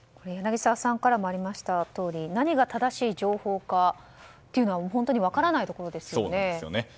柳澤さんからもありましたとおり何が正しい情報かというのは本当に分からないところですね。